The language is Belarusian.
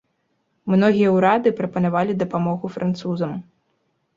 Многія ўрады прапанавалі дапамогу французам.